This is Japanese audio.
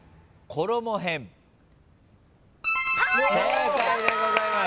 正解でございます。